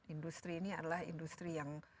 industri ini adalah industri yang